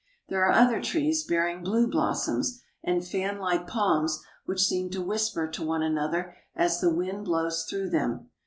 There are other trees bearing blue blossoms, and fanlike palms which seem to whisper to one another as the wind blows through them.